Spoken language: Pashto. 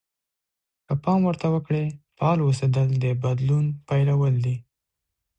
که پام ورته وکړئ فعال اوسېدل د بدلون پيلول دي.